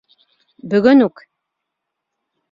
Бөгөн үк!